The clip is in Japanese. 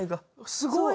すごいね！